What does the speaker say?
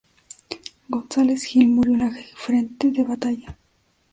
González Gil murió en el frente de batalla.